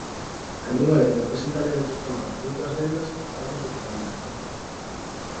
Cando unha lenda presenta elementos tomados doutras lendas falamos de "contaminación".